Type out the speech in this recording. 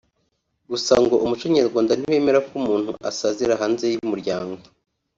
Gusa ngo umuco nyarwanda ntiwemera ko umuntu asazira hanze y’ umuryango